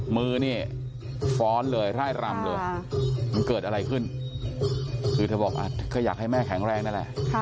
มือนี่ฟ้อนเลยร่ายรำเลยมันเกิดอะไรขึ้นคือเธอบอกก็อยากให้แม่แข็งแรงนั่นแหละ